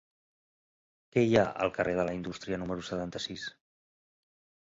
Què hi ha al carrer de la Indústria número setanta-sis?